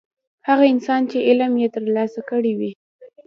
هغه انسان چې علم یې ترلاسه کړی وي.